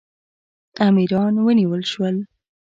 امیران ونیول شول.